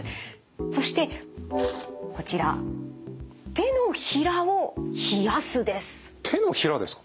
そしてこちら手のひらですか？